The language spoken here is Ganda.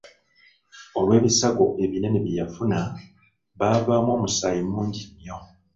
Olw'ebisago ebinene bye baafuna, baavaamu omusaayi mungi nnyo.